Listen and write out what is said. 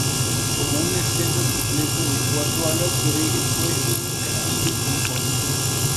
Como un extenso complejo de cuatro alas, su origen fue un castillo con foso.